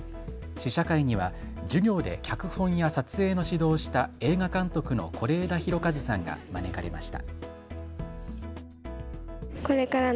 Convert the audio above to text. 試写会には授業で脚本や撮影の指導をした映画監督の是枝裕和さんが招かれました。